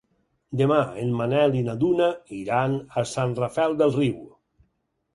Demà en Manel i na Duna iran a Sant Rafel del Riu.